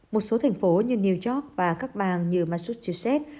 một số thành phố như new york và các bang như masustinset